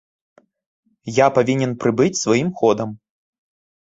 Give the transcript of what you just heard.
Я павінен прыбыць сваім ходам.